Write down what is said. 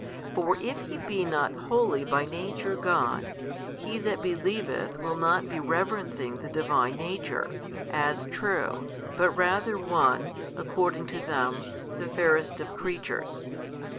For if He be not wholly by Nature God, he that believeth will not be reverencing the Divine Nature, as true, but rather one (according to them) the fairest of creatures.